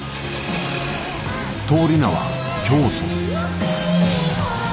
通り名は「教祖」。